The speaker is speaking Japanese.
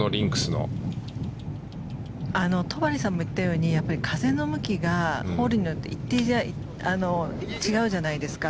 戸張さんも言ったように風の向きがホールによって違うじゃないですか。